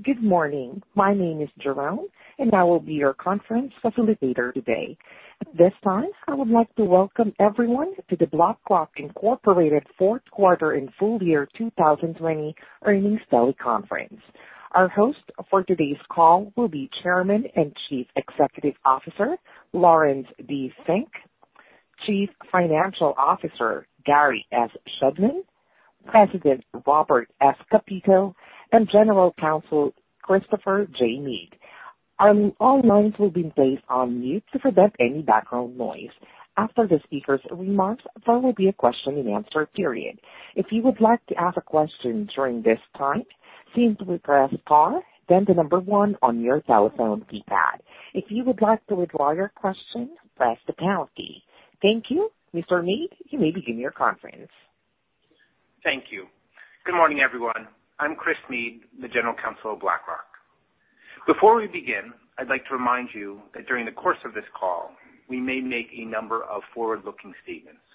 Good morning. My name is Jerome, and I will be your conference facilitator today. At this time, I would like to welcome everyone to the BlackRock, Inc. Fourth Quarter and Full Year 2020 Earnings Teleconference. Our host for today's call will be Chairman and Chief Executive Officer, Laurence D. Fink, Chief Financial Officer, Gary S. Shedlin, President, Robert S. Kapito, and General Counsel, Christopher J. Meade. All lines will be placed on mute to prevent any background noise. After the speakers' remarks, there will be a question and answer period. If you would like to ask a question during this time, simply press star, then the number one on your telephone keypad. If you would like to withdraw your question, press the pound key. Thank you. Mr. Meade, you may begin your conference. Thank you. Good morning, everyone. I'm Christopher J. Meade, the General Counsel of BlackRock. Before we begin, I'd like to remind you that during the course of this call, we may make a number of forward-looking statements.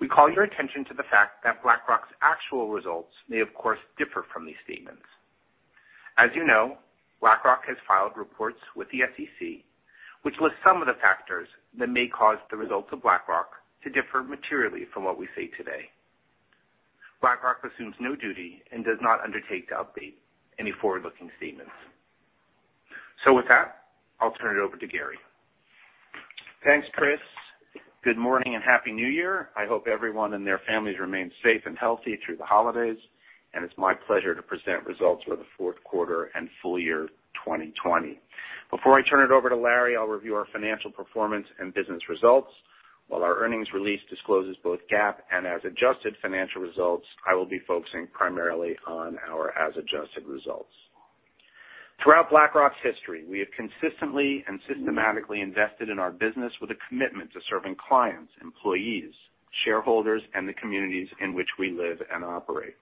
We call your attention to the fact that BlackRock's actual results may, of course, differ from these statements. As you know, BlackRock has filed reports with the SEC, which list some of the factors that may cause the results of BlackRock to differ materially from what we say today. BlackRock assumes no duty and does not undertake to update any forward-looking statements. With that, I'll turn it over to Gary Shedlin. Thanks, Christopher. Good morning and Happy New Year. I hope everyone and their families remained safe and healthy through the holidays, and it's my pleasure to present results for the fourth quarter and full year 2020. Before I turn it over to Laurence, I'll review our financial performance and business results. While our earnings release discloses both GAAP and as adjusted financial results, I will be focusing primarily on our as adjusted results. Throughout BlackRock's history, we have consistently and systematically invested in our business with a commitment to serving clients, employees, shareholders, and the communities in which we live and operate.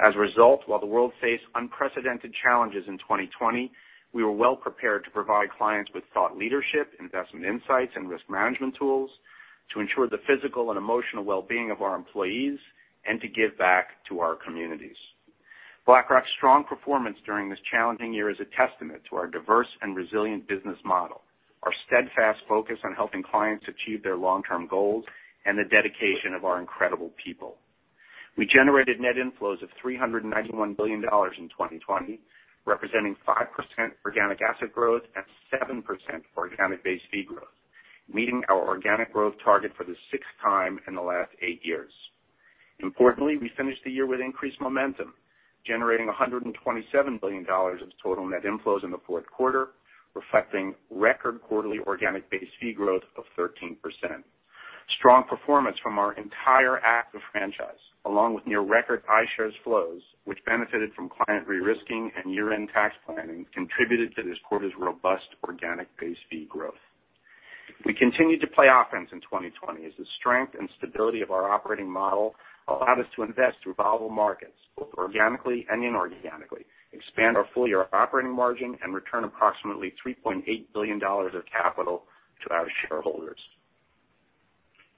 As a result, while the world faced unprecedented challenges in 2020, we were well prepared to provide clients with thought leadership, investment insights, and risk management tools to ensure the physical and emotional well-being of our employees and to give back to our communities. BlackRock's strong performance during this challenging year is a testament to our diverse and resilient business model, our steadfast focus on helping clients achieve their long-term goals, and the dedication of our incredible people. We generated net inflows of $391 billion in 2020, representing 5% organic asset growth and 7% organic base fee growth, meeting our organic growth target for the sixth time in the last eight years. Importantly, we finished the year with increased momentum, generating $127 billion of total net inflows in the fourth quarter, reflecting record quarterly organic base fee growth of 13%. Strong performance from our entire active franchise, along with near record iShares flows, which benefited from client re-risking and year-end tax planning, contributed to this quarter's robust organic base fee growth. We continued to play offense in 2020 as the strength and stability of our operating model allowed us to invest through volatile markets, both organically and inorganically, expand our full-year operating margin, and return approximately $3.8 billion of capital to our shareholders.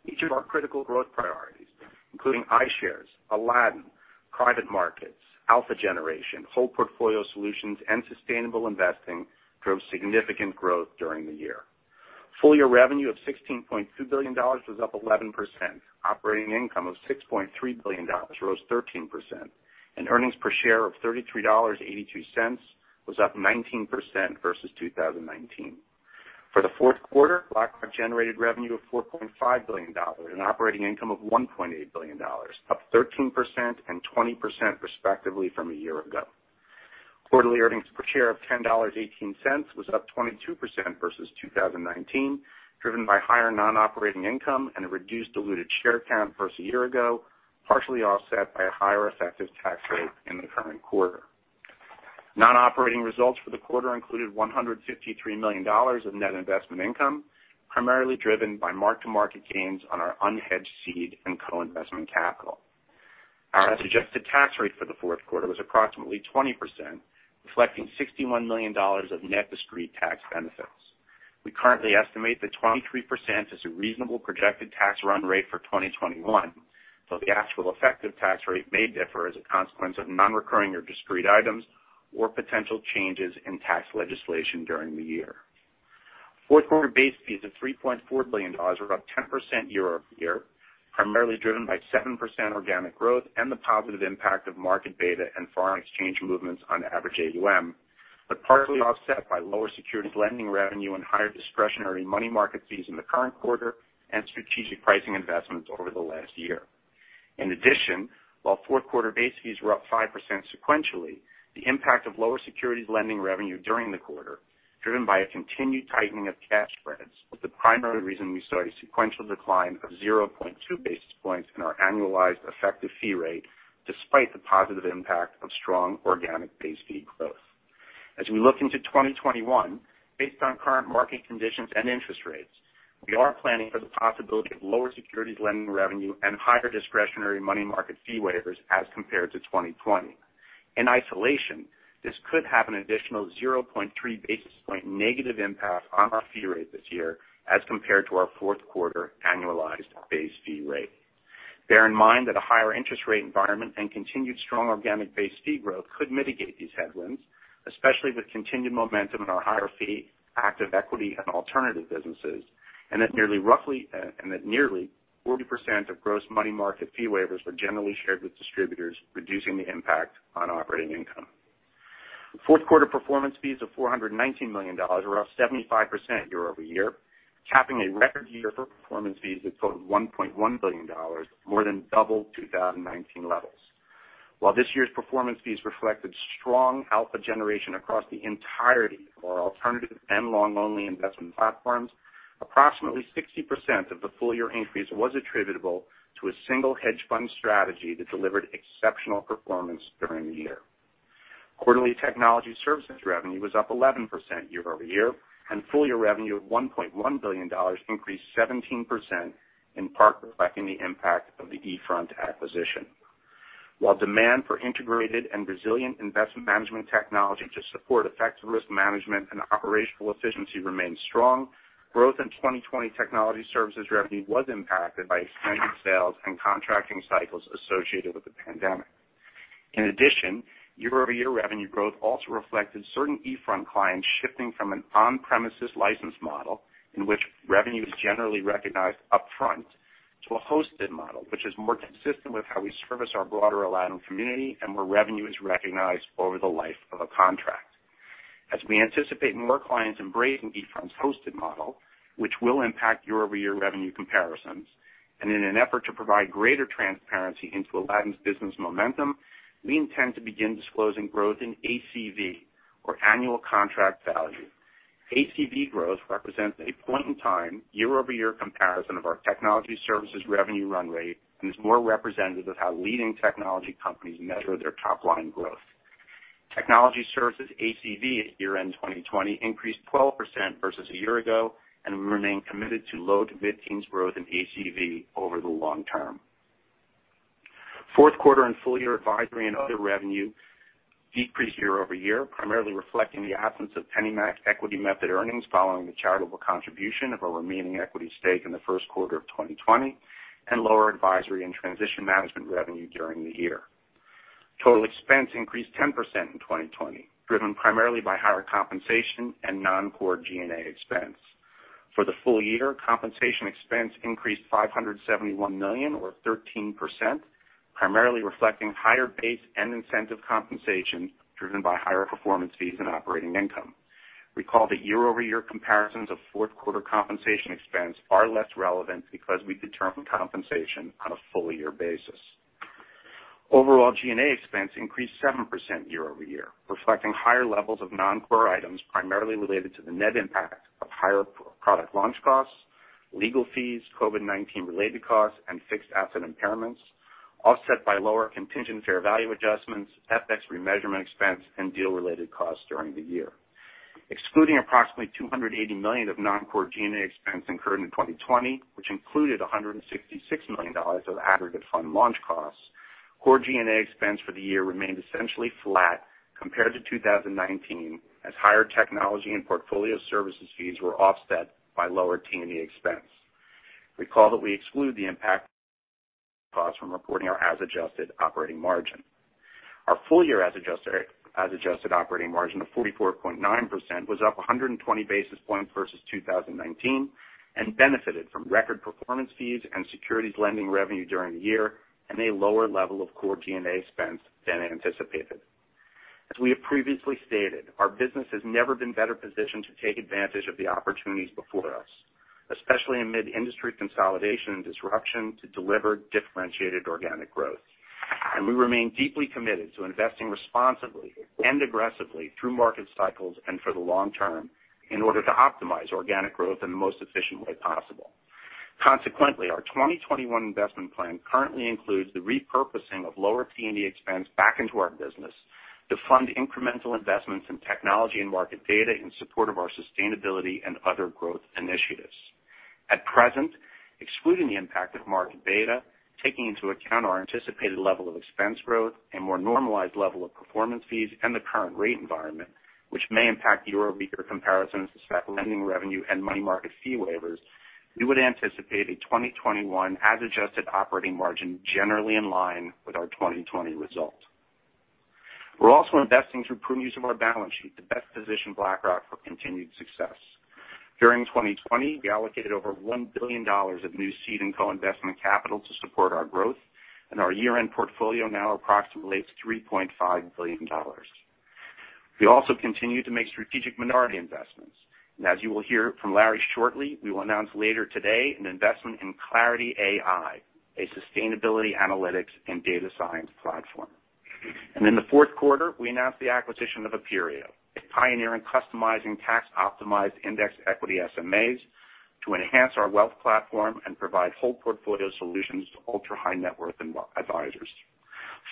Each of our critical growth priorities, including iShares, Aladdin, private markets, alpha generation, whole portfolio solutions, and sustainable investing, drove significant growth during the year. Full-year revenue of $16.2 billion was up 11%, operating income of $6.3 billion rose 13%, and earnings per share of $33.82 was up 19% versus 2019. For the fourth quarter, BlackRock generated revenue of $4.5 billion and operating income of $1.8 billion, up 13% and 20% respectively from a year ago. Quarterly earnings per share of $10.18 was up 22% versus 2019, driven by higher non-operating income and a reduced diluted share count versus a year ago, partially offset by a higher effective tax rate in the current quarter. Non-operating results for the quarter included $153 million of net investment income, primarily driven by mark-to-market gains on our unhedged seed and co-investment capital. Our adjusted tax rate for the fourth quarter was approximately 20%, reflecting $61 million of net discrete tax benefits. We currently estimate that 23% is a reasonable projected tax run rate for 2021, though the actual effective tax rate may differ as a consequence of non-recurring or discrete items or potential changes in tax legislation during the year. Fourth quarter base fees of $3.4 billion were up 10% year-over-year, primarily driven by 7% organic growth and the positive impact of market beta and foreign exchange movements on average assets under management, but partially offset by lower securities lending revenue and higher discretionary money market fees in the current quarter and strategic pricing investments over the last year. In addition, while fourth quarter base fees were up 5% sequentially, the impact of lower securities lending revenue during the quarter, driven by a continued tightening of cash spreads, was the primary reason we saw a sequential decline of 0.2 basis point in our annualized effective fee rate, despite the positive impact of strong organic base fee growth. As we look into 2021, based on current market conditions and interest rates, we are planning for the possibility of lower securities lending revenue and higher discretionary money market fee waivers as compared to 2020. In isolation, this could have an additional 0.3 basis point negative impact on our fee rate this year as compared to our fourth quarter annualized base fee rate. Bear in mind that a higher interest rate environment and continued strong organic base fee growth could mitigate these headwinds, especially with continued momentum in our higher fee, active equity, and alternative businesses, and that nearly 40% of gross money market fee waivers were generally shared with distributors, reducing the impact on operating income. Fourth quarter performance fees of $419 million were up 75% year-over-year, capping a record year for performance fees that totaled $1.1 billion, more than double 2019 levels. While this year's performance fees reflected strong alpha generation across the entirety of our alternative and long-only investment platforms, approximately 60% of the full-year increase was attributable to a single hedge fund strategy that delivered exceptional performance during the year. Quarterly technology services revenue was up 11% year-over-year, and full-year revenue of $1.1 billion increased 17%, in part reflecting the impact of the eFront acquisition. While demand for integrated and resilient investment management technology to support effective risk management and operational efficiency remains strong, growth in 2020 technology services revenue was impacted by extended sales and contracting cycles associated with the pandemic. In addition, year-over-year revenue growth also reflected certain eFront clients shifting from an on-premises license model, in which revenue is generally recognized upfront, to a hosted model, which is more consistent with how we service our broader Aladdin community and where revenue is recognized over the life of a contract. As we anticipate more clients embracing eFront's hosted model, which will impact year-over-year revenue comparisons, and in an effort to provide greater transparency into Aladdin's business momentum, we intend to begin disclosing growth in ACV, or annual contract value. ACV growth represents a point-in-time, year-over-year comparison of our technology services revenue run rate and is more representative of how leading technology companies measure their top-line growth. Technology services ACV at year-end 2020 increased 12% versus a year ago, and we remain committed to low-to-mid teens growth in ACV over the long term. Fourth quarter and full-year advisory and other revenue decreased year-over-year, primarily reflecting the absence of PennyMac equity method earnings following the charitable contribution of our remaining equity stake in the first quarter of 2020, and lower advisory and transition management revenue during the year. Total expense increased 10% in 2020, driven primarily by higher compensation and non-core G&A expense. For the full year, compensation expense increased $571 million or 13%, primarily reflecting higher base and incentive compensation driven by higher performance fees and operating income. Recall that year-over-year comparisons of fourth quarter compensation expense are less relevant because we determine compensation on a full-year basis. Overall G&A expense increased 7% year-over-year, reflecting higher levels of non-core items primarily related to the net impact of higher product launch costs, legal fees, COVID-19 related costs, and fixed asset impairments, offset by lower contingent fair value adjustments, FX remeasurement expense, and deal-related costs during the year. Excluding approximately $280 million of non-core G&A expense incurred in 2020, which included $166 million of aggregate fund launch costs, core G&A expense for the year remained essentially flat compared to 2019, as higher technology and portfolio services fees were offset by lower T&E expense. Recall that we exclude the impact costs from reporting our as-adjusted operating margin. Our full-year as-adjusted operating margin of 44.9% was up 120 basis points versus 2019, and benefited from record performance fees and securities lending revenue during the year, and a lower level of core G&A expense than anticipated. As we have previously stated, our business has never been better positioned to take advantage of the opportunities before us, especially amid industry consolidation and disruption to deliver differentiated organic growth. We remain deeply committed to investing responsibly and aggressively through market cycles and for the long term in order to optimize organic growth in the most efficient way possible. Consequently, our 2021 investment plan currently includes the repurposing of lower T&E expense back into our business to fund incremental investments in technology and market data in support of our sustainability and other growth initiatives. At present, excluding the impact of market beta, taking into account our anticipated level of expense growth and more normalized level of performance fees and the current rate environment, which may impact year-over-year comparisons to lending revenue and money market fee waivers, we would anticipate a 2021 as-adjusted operating margin generally in line with our 2020 result. We're also investing through prudent use of our balance sheet to best position BlackRock for continued success. During 2020, we allocated over $1 billion of new seed and co-investment capital to support our growth, and our year-end portfolio now approximates $3.5 billion. We also continue to make strategic minority investments, and as you will hear from Laurence shortly, we will announce later today an investment in Clarity AI, a sustainability analytics and data science platform. In the fourth quarter, we announced the acquisition of Aperio, a pioneer in customizing tax-optimized index equity separately managed accounts to enhance our wealth platform and provide whole portfolio solutions to ultra-high net worth advisors.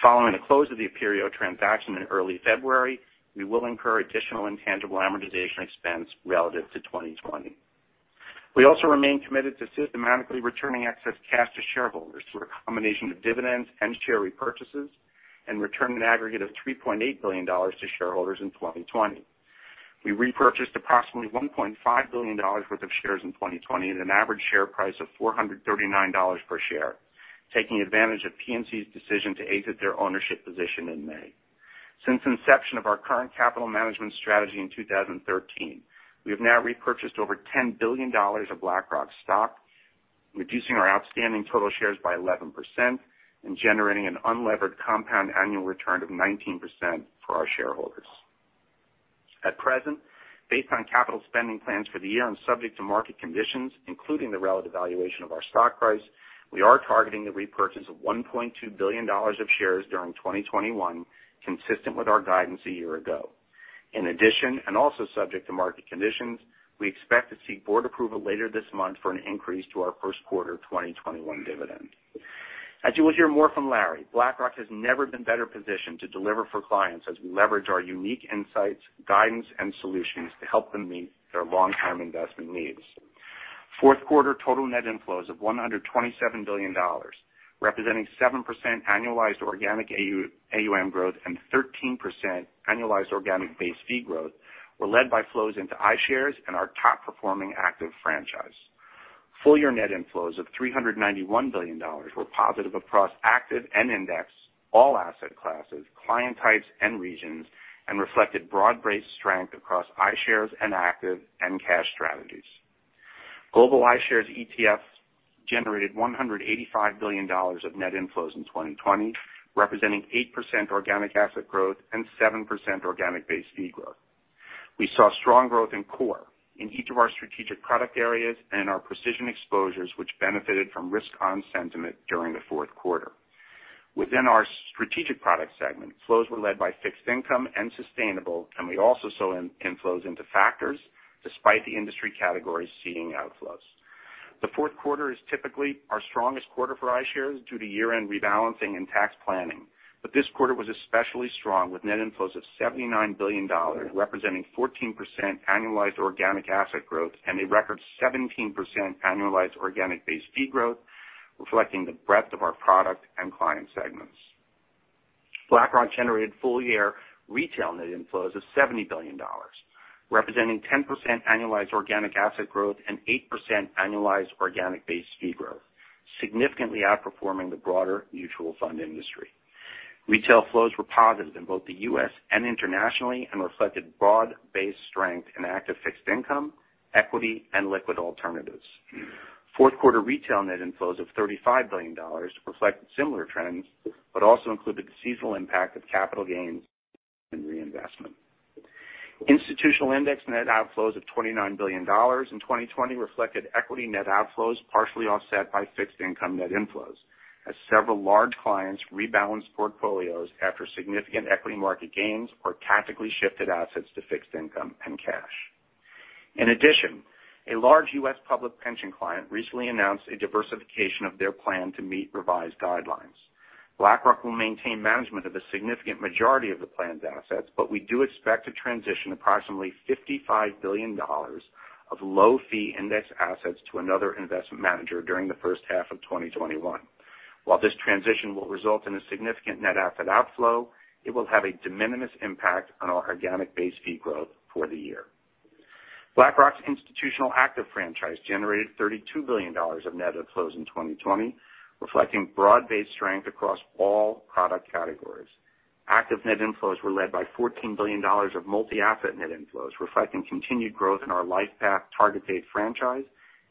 Following the close of the Aperio transaction in early February, we will incur additional intangible amortization expense relative to 2020. We also remain committed to systematically returning excess cash to shareholders through a combination of dividends and share repurchases, and returned an aggregate of $3.8 billion to shareholders in 2020. We repurchased approximately $1.5 billion worth of shares in 2020 at an average share price of $439 per share, taking advantage of Pittsburgh National Corporation's decision to exit their ownership position in May. Since inception of our current capital management strategy in 2013, we have now repurchased over $10 billion of BlackRock stock, reducing our outstanding total shares by 11% and generating an unlevered compound annual return of 19% for our shareholders. At present, based on capital spending plans for the year and subject to market conditions, including the relative valuation of our stock price, we are targeting the repurchase of $1.2 billion of shares during 2021, consistent with our guidance a year ago. In addition, and also subject to market conditions, we expect to seek board approval later this month for an increase to our first quarter 2021 dividend. As you will hear more from Laurence, BlackRock has never been better positioned to deliver for clients as we leverage our unique insights, guidance, and solutions to help them meet their long-term investment needs. Fourth quarter total net inflows of $127 billion, representing 7% annualized organic AUM growth and 13% annualized organic base fee growth, were led by flows into iShares and our top-performing active franchise. Full year net inflows of $391 billion were positive across active and index, all asset classes, client types, and regions, and reflected broad-based strength across iShares and active and cash strategies. Global iShares ETFs generated $185 billion of net inflows in 2020, representing 8% organic asset growth and 7% organic base fee growth. We saw strong growth in core in each of our strategic product areas and our precision exposures, which benefited from risk-on sentiment during the fourth quarter. Within our strategic product segment, flows were led by fixed income and sustainable, and we also saw inflows into factors despite the industry categories seeing outflows. The fourth quarter is typically our strongest quarter for iShares due to year-end rebalancing and tax planning. This quarter was especially strong, with net inflows of $79 billion, representing 14% annualized organic asset growth and a record 17% annualized organic base fee growth, reflecting the breadth of our product and client segments. BlackRock generated full-year retail net inflows of $70 billion, representing 10% annualized organic asset growth and 8% annualized organic base fee growth, significantly outperforming the broader mutual fund industry. Retail flows were positive in both the U.S. and internationally and reflected broad-based strength in active fixed income, equity, and liquid alternatives. Fourth quarter retail net inflows of $35 billion reflected similar trends but also included the seasonal impact of capital gains and reinvestment. Institutional index net outflows of $29 billion in 2020 reflected equity net outflows partially offset by fixed income net inflows as several large clients rebalanced portfolios after significant equity market gains or tactically shifted assets to fixed income and cash. In addition, a large U.S. public pension client recently announced a diversification of their plan to meet revised guidelines. BlackRock will maintain management of a significant majority of the plan's assets, but we do expect to transition approximately $55 billion of low-fee index assets to another investment manager during the first half of 2021. While this transition will result in a significant net asset outflow, it will have a de minimis impact on our organic base fee growth for the year. BlackRock's institutional active franchise generated $32 billion of net outflows in 2020, reflecting broad-based strength across all product categories. Active net inflows were led by $14 billion of multi-asset net inflows, reflecting continued growth in our LifePath target date franchise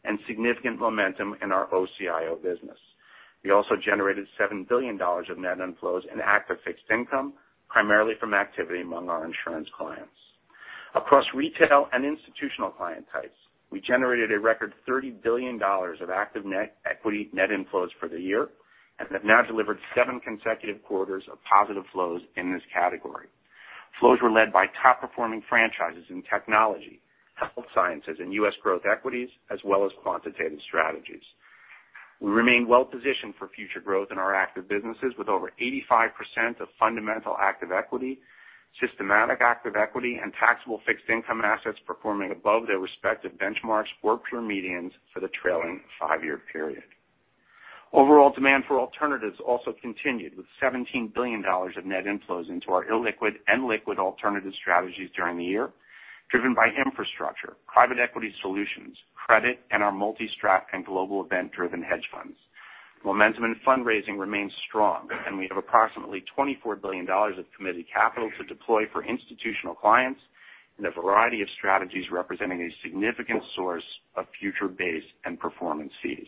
and significant momentum in our outsourced chief investment officer business. We also generated $7 billion of net inflows in active fixed income, primarily from activity among our insurance clients. Across retail and institutional client types, we generated a record $30 billion of active net equity net inflows for the year and have now delivered seven consecutive quarters of positive flows in this category. Flows were led by top-performing franchises in technology, health sciences, and U.S. growth equities, as well as quantitative strategies. We remain well positioned for future growth in our active businesses with over 85% of fundamental active equity, systematic active equity, and taxable fixed income assets performing above their respective benchmarks or peer medians for the trailing five-year period. Overall demand for alternatives also continued with $17 billion of net inflows into our illiquid and liquid alternative strategies during the year, driven by infrastructure, private equity solutions, credit, and our multi-strat and global event-driven hedge funds. Momentum in fundraising remains strong, and we have approximately $24 billion of committed capital to deploy for institutional clients in a variety of strategies representing a significant source of future base and performance fees.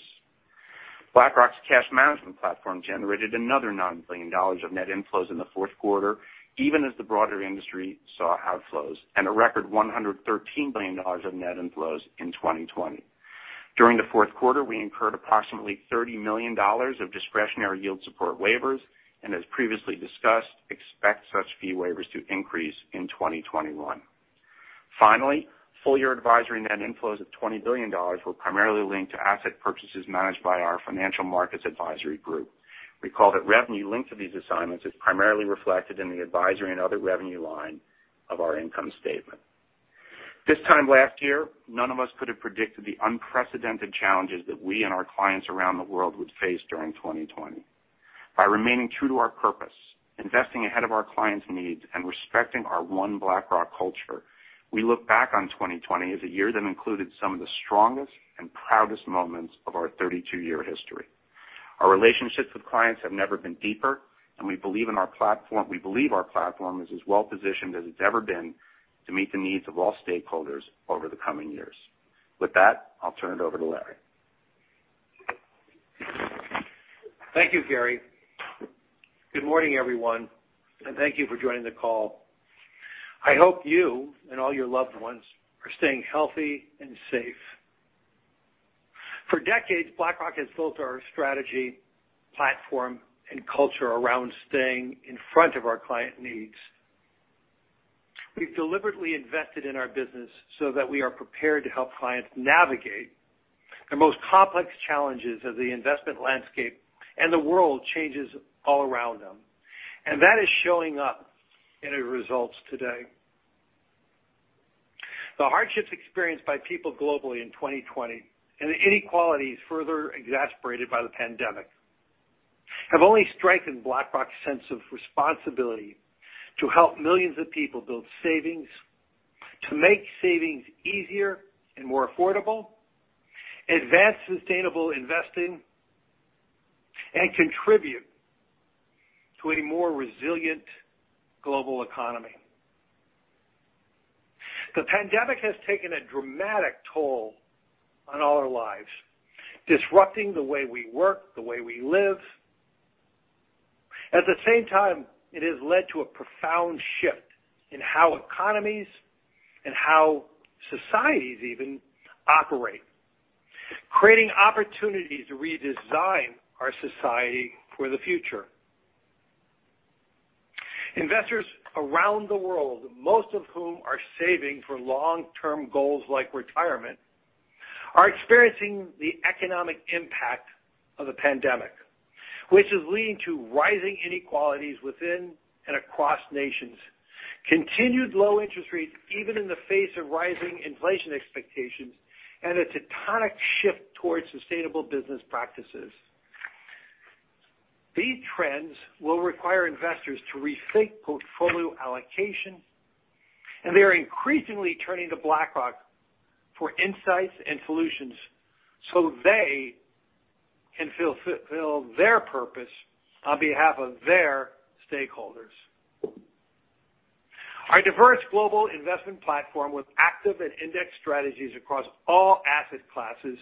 BlackRock's cash management platform generated another $9 billion of net inflows in the fourth quarter, even as the broader industry saw outflows and a record $113 billion of net inflows in 2020. During the fourth quarter, we incurred approximately $30 million of discretionary yield support waivers and, as previously discussed, expect such fee waivers to increase in 2021. Finally, full-year advisory net inflows of $20 billion were primarily linked to asset purchases managed by our financial markets advisory group. Recall that revenue linked to these assignments is primarily reflected in the advisory and other revenue line of our income statement. This time last year, none of us could have predicted the unprecedented challenges that we and our clients around the world would face during 2020. By remaining true to our purpose, investing ahead of our clients' needs, and respecting our One BlackRock culture, we look back on 2020 as a year that included some of the strongest and proudest moments of our 32-year history. Our relationships with clients have never been deeper, and we believe our platform is as well-positioned as it's ever been to meet the needs of all stakeholders over the coming years. With that, I'll turn it over to Laurence Fink. Thank you, Gary. Good morning, everyone, and thank you for joining the call. I hope you and all your loved ones are staying healthy and safe. For decades, BlackRock has built our strategy, platform, and culture around staying in front of our client needs. We've deliberately invested in our business so that we are prepared to help clients navigate the most complex challenges of the investment landscape and the world changes all around them. That is showing up in our results today. The hardships experienced by people globally in 2020 and the inequalities further exacerbated by the pandemic have only strengthened BlackRock's sense of responsibility to help millions of people build savings, to make savings easier and more affordable, advance sustainable investing, and contribute to a more resilient global economy. The pandemic has taken a dramatic toll on all our lives, disrupting the way we work, the way we live. At the same time, it has led to a profound shift in how economies and how societies even operate, creating opportunities to redesign our society for the future. Investors around the world, most of whom are saving for long-term goals like retirement, are experiencing the economic impact of the pandemic, which is leading to rising inequalities within and across nations, continued low interest rates even in the face of rising inflation expectations, and a tectonic shift towards sustainable business practices. These trends will require investors to rethink portfolio allocation, and they're increasingly turning to BlackRock for insights and solutions so they can fulfill their purpose on behalf of their stakeholders. Our diverse global investment platform with active and index strategies across all asset classes,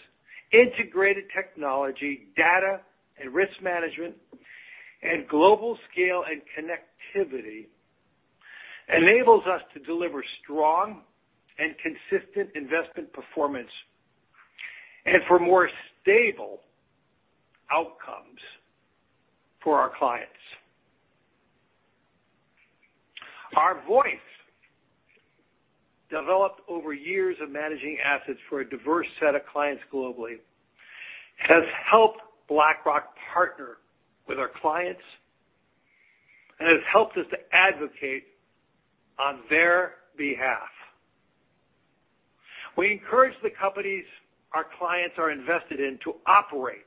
integrated technology, data, and risk management, and global scale and connectivity enables us to deliver strong and consistent investment performance and for more stable outcomes for our clients. Our voice, developed over years of managing assets for a diverse set of clients globally, has helped BlackRock partner with our clients and has helped us to advocate on their behalf. We encourage the companies our clients are invested in to operate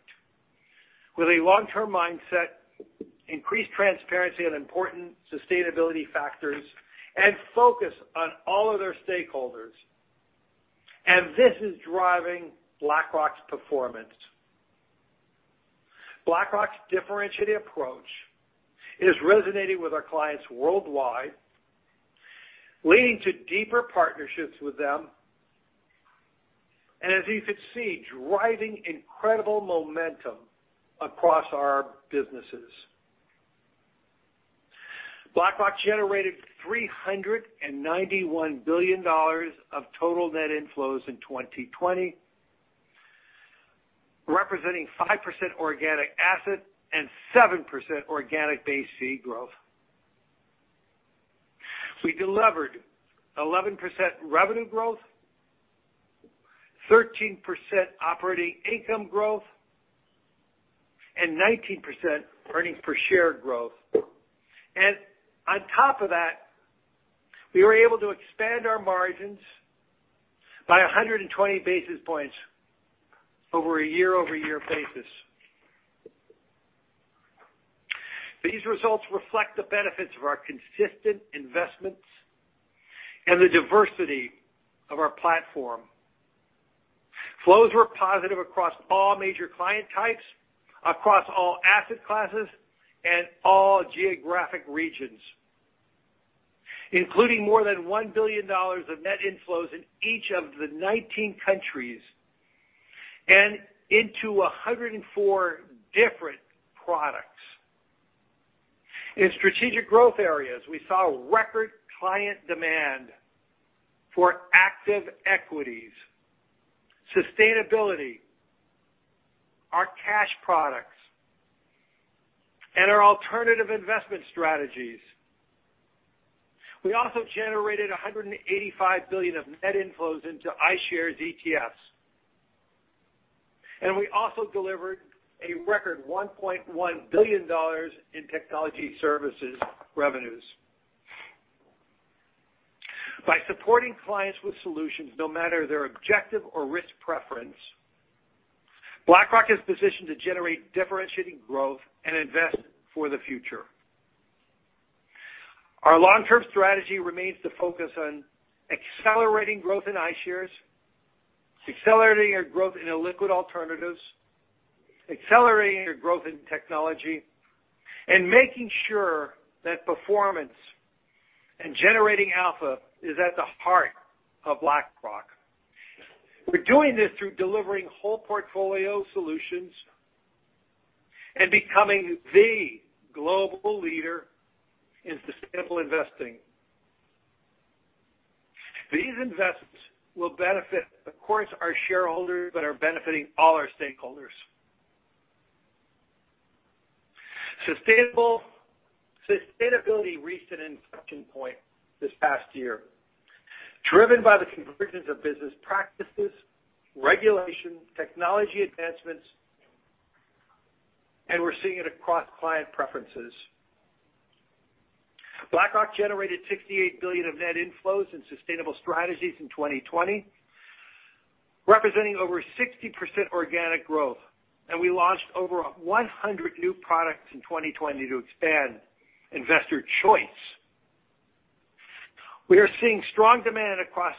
with a long-term mindset, increase transparency on important sustainability factors, and focus on all of their stakeholders. This is driving BlackRock's performance. BlackRock's differentiated approach is resonating with our clients worldwide, leading to deeper partnerships with them, and as you can see, driving incredible momentum across our businesses. BlackRock generated $391 billion of total net inflows in 2020, representing 5% organic asset and 7% organic base fee growth. We delivered 11% revenue growth, 13% operating income growth, and 19% earnings per share growth. On top of that, we were able to expand our margins by 120 basis points over a year-over-year basis. These results reflect the benefits of our consistent investments and the diversity of our platform. Flows were positive across all major client types, across all asset classes, and all geographic regions, including more than $1 billion of net inflows in each of the 19 countries and into 104 different products. In strategic growth areas, we saw record client demand for active equities, sustainability, our cash products, and our alternative investment strategies. We also generated $185 billion of net inflows into iShares exchange-traded funds, and we also delivered a record $1.1 billion in technology services revenues. By supporting clients with solutions, no matter their objective or risk preference, BlackRock is positioned to generate differentiating growth and invest for the future. Our long-term strategy remains to focus on accelerating growth in iShares, accelerating our growth in illiquid alternatives, accelerating our growth in technology, and making sure that performance and generating alpha is at the heart of BlackRock. We're doing this through delivering whole portfolio solutions and becoming the global leader in sustainable investing. These investments will benefit, of course, our shareholders, but are benefiting all our stakeholders. Sustainability reached an inflection point this past year, driven by the convergence of business practices, regulation, technology advancements, and we're seeing it across client preferences. BlackRock generated $68 billion of net inflows in sustainable strategies in 2020, representing over 60% organic growth, and we launched over 100 new products in 2020 to expand investor choice. We are seeing strong demand across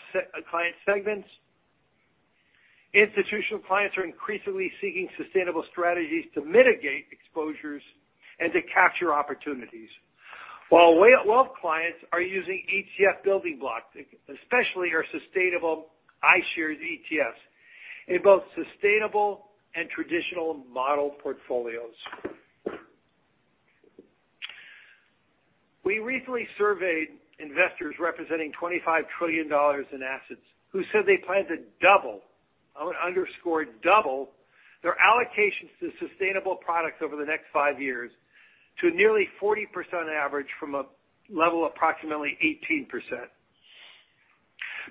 client segments. Institutional clients are increasingly seeking sustainable strategies to mitigate exposures and to capture opportunities. While wealth clients are using ETF building blocks, especially our sustainable iShares ETFs, in both sustainable and traditional model portfolios. We recently surveyed investors representing $25 trillion in assets who said they plan to double, I want to underscore, double, their allocations to sustainable products over the next five years to nearly 40% average from a level of approximately 18%.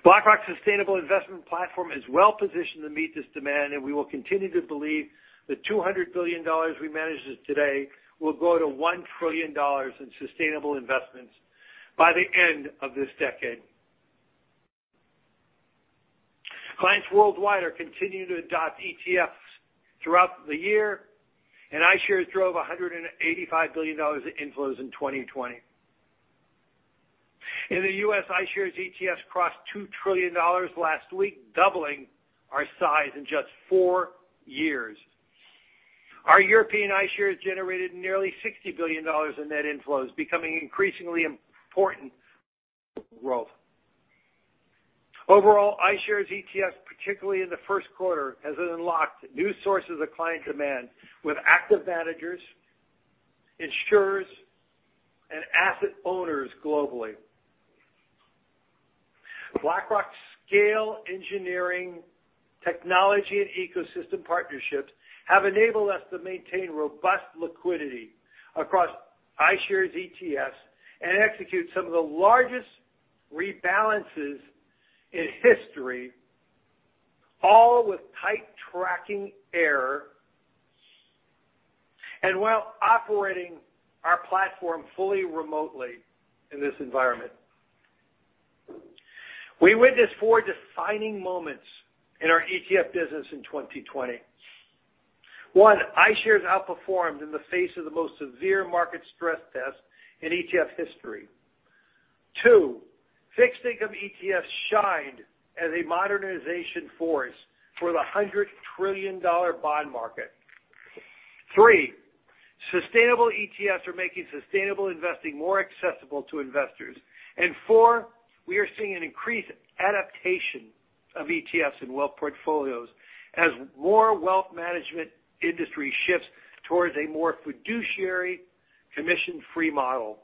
BlackRock's sustainable investment platform is well positioned to meet this demand, and we will continue to believe the $200 billion we manage today will grow to $1 trillion in sustainable investments by the end of this decade. Clients worldwide are continuing to adopt ETFs throughout the year, and iShares drove $185 billion of inflows in 2020. In the U.S., iShares ETFs crossed $2 trillion last week, doubling our size in just four years. Our European iShares generated nearly $60 billion in net inflows, becoming increasingly important growth. Overall, iShares ETF, particularly in the first quarter, has unlocked new sources of client demand with active managers, insurers, and asset owners globally. BlackRock's scale engineering technology and ecosystem partnerships have enabled us to maintain robust liquidity across iShares ETFs and execute some of the largest rebalances in history, all with tight tracking error, and while operating our platform fully remotely in this environment. We witnessed four defining moments in our ETF business in 2020. One, iShares outperformed in the face of the most severe market stress test in ETF history. Two, fixed income ETFs shined as a modernization force for the $100 trillion bond market. Three, sustainable ETFs are making sustainable investing more accessible to investors. Four, we are seeing an increased adaptation of ETFs in wealth portfolios as more wealth management industry shifts towards a more fiduciary, commission-free model.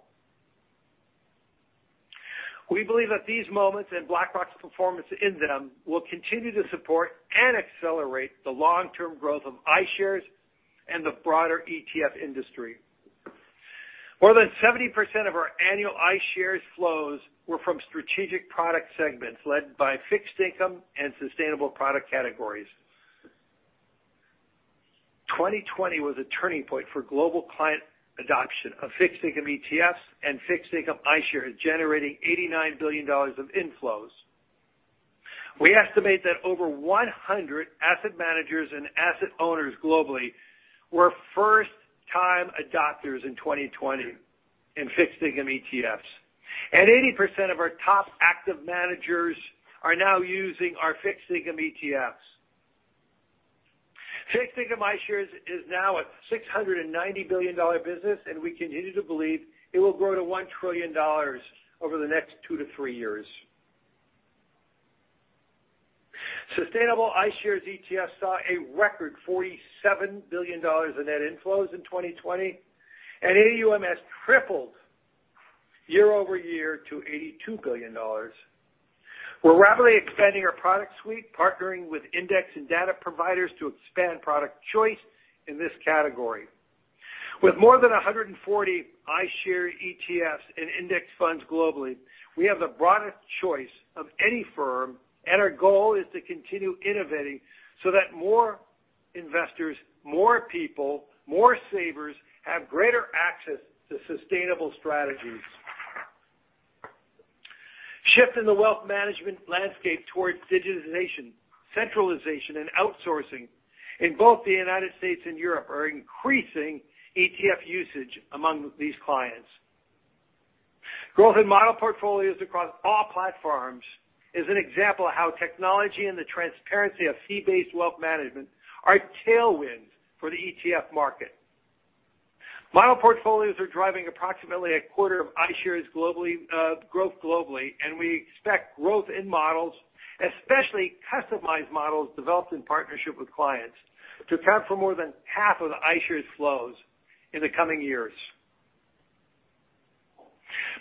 We believe that these moments, and BlackRock's performance in them, will continue to support and accelerate the long-term growth of iShares and the broader ETF industry. More than 70% of our annual iShares flows were from strategic product segments led by fixed income and sustainable product categories. 2020 was a turning point for global client adoption of fixed income ETFs and fixed income iShares, generating $89 billion of inflows. We estimate that over 100 asset managers and asset owners globally were first-time adopters in 2020 in fixed income ETFs. 80% of our top active managers are now using our fixed income ETFs. Fixed income iShares is now a $690 billion business, and we continue to believe it will grow to $1 trillion over the next two to three years. Sustainable iShares ETF saw a record $47 billion in net inflows in 2020, and AUM has tripled year-over-year to $82 billion. We're rapidly expanding our product suite, partnering with index and data providers to expand product choice in this category. With more than 140 iShares ETFs and index funds globally, we have the broadest choice of any firm, and our goal is to continue innovating so that more people, more savers have greater access to sustainable strategies. Shift in the wealth management landscape towards digitization, centralization, and outsourcing in both the U.S. and Europe are increasing ETF usage among these clients. Growth in model portfolios across all platforms is an example of how technology and the transparency of fee-based wealth management are tailwinds for the ETF market. Model portfolios are driving approximately a quarter of iShares growth globally, and we expect growth in models, especially customized models developed in partnership with clients, to account for more than half of iShares flows in the coming years.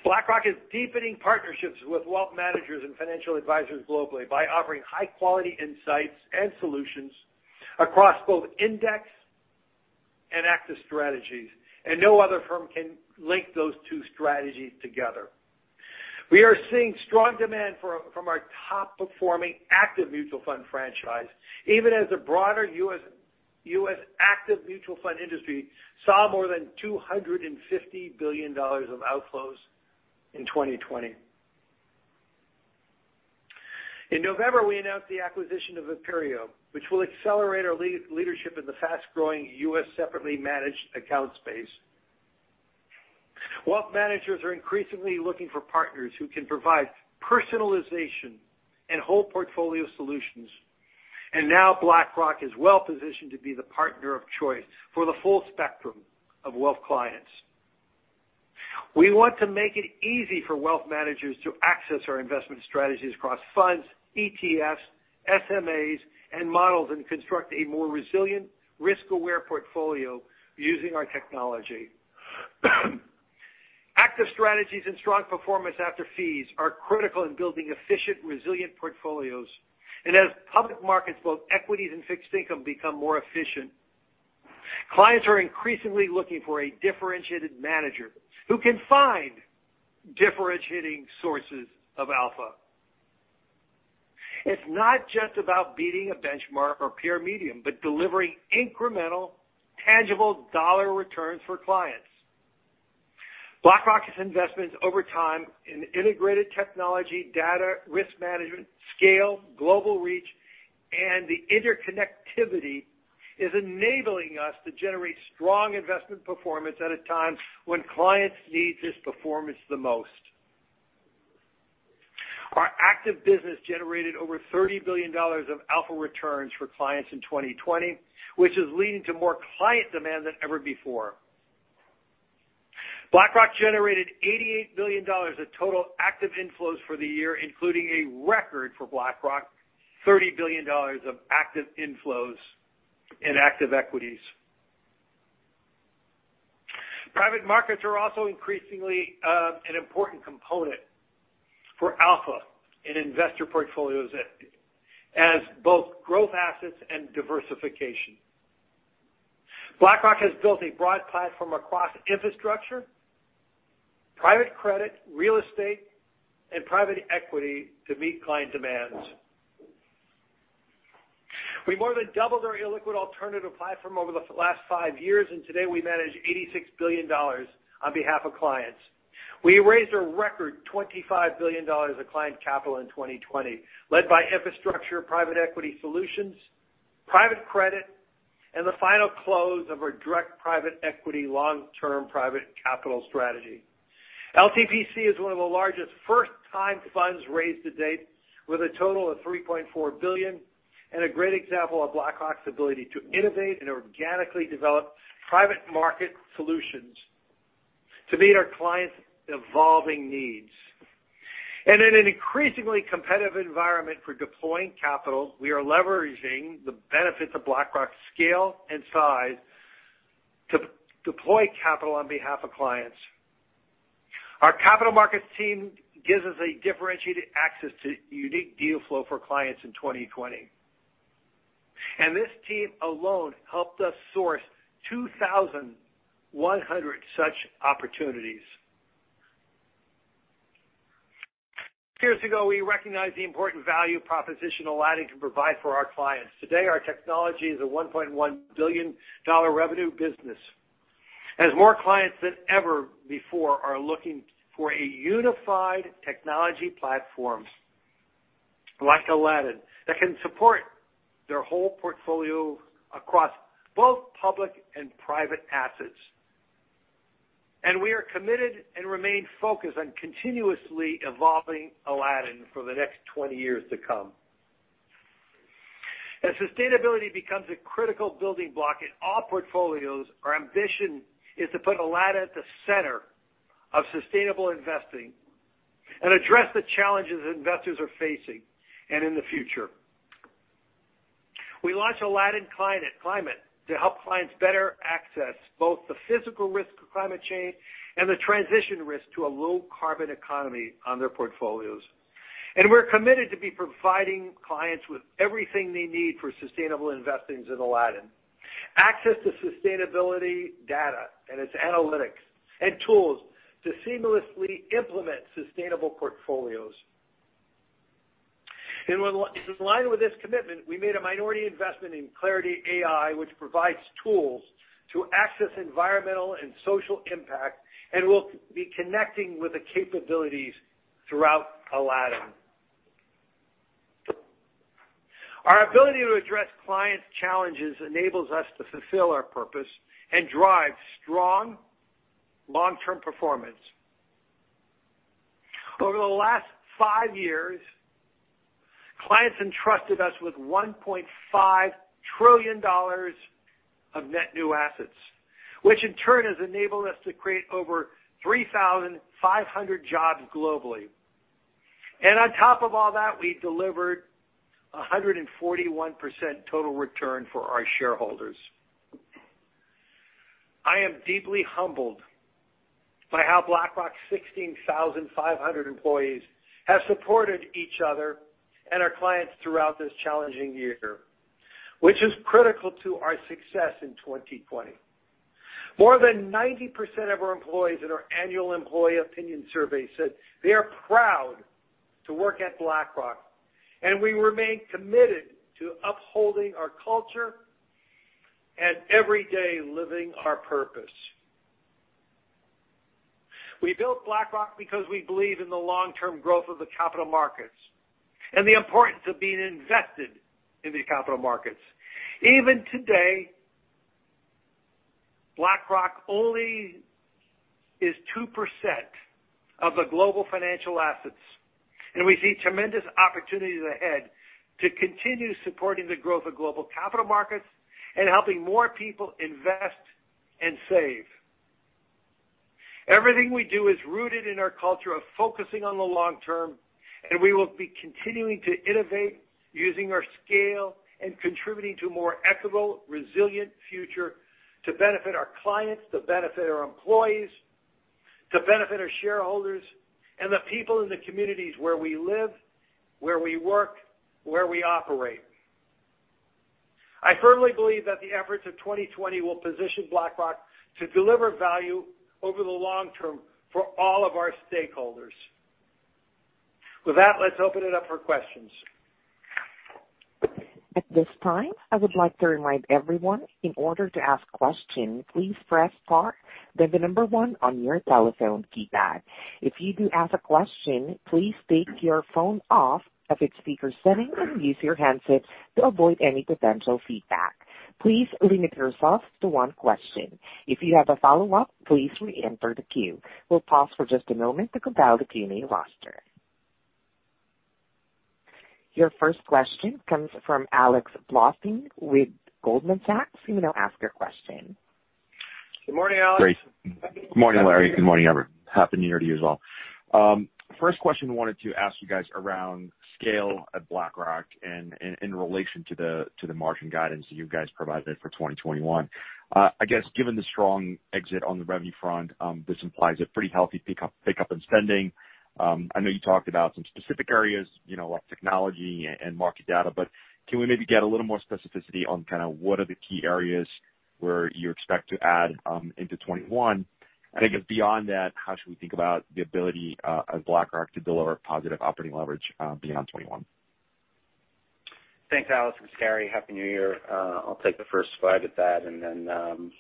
BlackRock is deepening partnerships with wealth managers and financial advisors globally by offering high-quality insights and solutions across both index and active strategies, and no other firm can link those two strategies together. We are seeing strong demand from our top-performing active mutual fund franchise, even as a broader U.S. active mutual fund industry saw more than $250 billion of outflows in 2020. In November, we announced the acquisition of Aperio, which will accelerate our leadership in the fast-growing U.S. separately managed account space. Wealth managers are increasingly looking for partners who can provide personalization and whole portfolio solutions. Now BlackRock is well-positioned to be the partner of choice for the full spectrum of wealth clients. We want to make it easy for wealth managers to assess our investment strategies across funds, ETFs, separately managed account, and models, and construct a more resilient, risk-aware portfolio using our technology. Active strategies and strong performance after fees are critical in building efficient, resilient portfolios. As public markets, both equities and fixed income, become more efficient, clients are increasingly looking for a differentiated manager who can find differentiating sources of alpha. It's not just about beating a benchmark or peer median but delivering incremental, tangible dollar returns for clients. BlackRock's investments over time in integrated technology, data, risk management, scale, global reach, and the interconnectivity is enabling us to generate strong investment performance at a time when clients need this performance the most. Our active business generated over $30 billion of alpha returns for clients in 2020, which is leading to more client demand than ever before. BlackRock generated $88 billion of total active inflows for the year, including a record for BlackRock, $30 billion of active inflows in active equities. Private markets are also increasingly an important component for alpha in investor portfolios as both growth assets and diversification. BlackRock has built a broad platform across infrastructure, private credit, real estate, and private equity to meet client demands. We more than doubled our illiquid alternative platform over the last five years, and today we manage $86 billion on behalf of clients. We raised a record $25 billion of client capital in 2020, led by infrastructure, private equity solutions, private credit, and the final close of our direct private equity Long Term Private Capital strategy. Long term private capital is one of the largest first-time funds raised to date, with a total of $3.4 billion and a great example of BlackRock's ability to innovate and organically develop private market solutions to meet our clients' evolving needs. In an increasingly competitive environment for deploying capital, we are leveraging the benefits of BlackRock's scale and size to deploy capital on behalf of clients. Our capital markets team gives us a differentiated access to unique deal flow for clients in 2020. This team alone helped us source 2,100 such opportunities. Years ago, we recognized the important value proposition Aladdin can provide for our clients. Today, our technology is a $1.1 billion revenue business as more clients than ever before are looking for a unified technology platform like Aladdin that can support their whole portfolio across both public and private assets. We are committed and remain focused on continuously evolving Aladdin for the next 20 years to come. As sustainability becomes a critical building block in all portfolios, our ambition is to put Aladdin at the center of sustainable investing and address the challenges investors are facing and in the future. We launched Aladdin Climate to help clients better access both the physical risk of climate change and the transition risk to a low-carbon economy on their portfolios. We're committed to providing clients with everything they need for sustainable investing is in Aladdin. Access to sustainability data and its analytics and tools to seamlessly implement sustainable portfolios. In line with this commitment, we made a minority investment in Clarity AI, which provides tools to access environmental and social impact, and we'll be connecting with the capabilities throughout Aladdin. Our ability to address clients' challenges enables us to fulfill our purpose and drive strong long-term performance. Over the last five years, clients entrusted us with $1.5 trillion of net new assets, which in turn has enabled us to create over 3,500 jobs globally. On top of all that, we delivered 141% total return for our shareholders. I am deeply humbled by how BlackRock's 16,500 employees have supported each other and our clients throughout this challenging year, which is critical to our success in 2020. More than 90% of our employees in our annual employee opinion survey said they are proud to work at BlackRock. We remain committed to upholding our culture and every day living our purpose. We built BlackRock because we believe in the long-term growth of the capital markets and the importance of being invested in these capital markets. Even today, BlackRock only is 2% of the global financial assets. We see tremendous opportunities ahead to continue supporting the growth of global capital markets and helping more people invest and save. Everything we do is rooted in our culture of focusing on the long term. We will be continuing to innovate using our scale and contributing to a more equitable, resilient future to benefit our clients, to benefit our employees, to benefit our shareholders, and the people in the communities where we live, where we work, where we operate. I firmly believe that the efforts of 2020 will position BlackRock to deliver value over the long term for all of our stakeholders. With that, let's open it up for questions. At this time, I would like to remind everyone, in order to ask question, please press star and then the number one on your telephone keypad. If you even have a question, please take your phone off of its speaker setting and use your handset to avoid any potential feedback. Please limit yourself to one question. If you have a follow-up, please re-enter the queue. Hold pause for just a moment to compile the Q&A roster. Your first question comes from Alex Blostein with Goldman Sachs. You may now ask your question. Good morning, Alex. Great. Good morning, Laurence. Good morning, everyone. Happy New Year to you as well. First question I wanted to ask you guys around scale at BlackRock and in relation to the margin guidance that you guys provided for 2021. I guess, given the strong exit on the revenue front, this implies a pretty healthy pick-up in spending. I know you talked about some specific areas, like technology and market data, but can we maybe get a little more specificity on what are the key areas where you expect to add into 2021? I think beyond that, how should we think about the ability of BlackRock to deliver positive operating leverage beyond 2021? Thanks, Alex and Gary. Happy New Year. I'll take the first swag at that and then